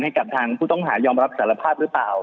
ให้ผู้ต้องหายอมรับสารพาศรึเปล่า